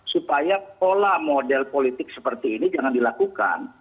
supaya pola model politik seperti ini jangan dilakukan